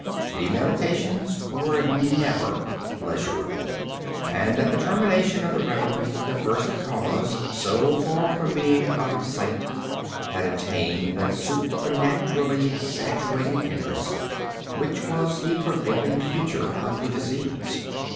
The meditations were never pleasurable; and, at the termination of the reverie, the first cause, so far from being out of sight, had attained that supernaturally exaggerated interest which was the prevailing feature of the disease.